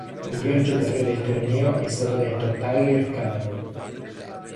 Miglior giocatore del torneo è stato eletto Tyler Cavanaugh.